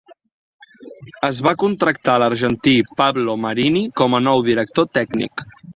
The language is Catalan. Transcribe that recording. Es va contractar l'argentí Pablo Marini com a nou director tècnic.